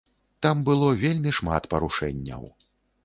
Там было вельмі шмат парушэнняў.